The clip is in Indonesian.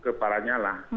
karena lanya lah